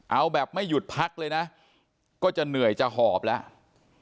เอาแบบไม่หยุดพักเลยนะก็จะเหนื่อยจะหอบแล้ว